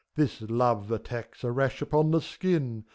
This love attack's a rash upon the skin.